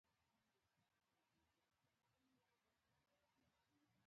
او شوخه مینه ده چي شپې ساتي